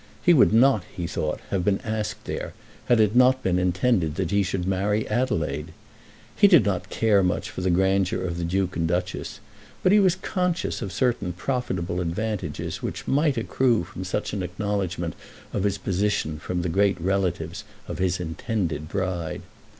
He would not, he thought, have been asked there had it not been intended that he should marry Adelaide. He did not care much for the grandeur of the Duke and Duchess, but he was conscious of certain profitable advantages which might accrue from such an acknowledgement of his position from the great relatives of his intended bride.